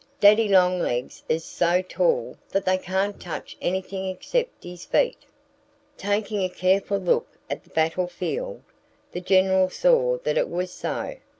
Daddy Longlegs is so tall that they can't touch anything except his feet!" Taking a careful look at the battle field, the General saw that it was so.